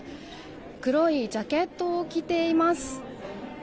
黒いジャケットを着ています。